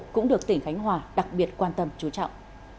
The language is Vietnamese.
cũng được tỉnh khánh hòa đặc biệt quan tâm chú trọng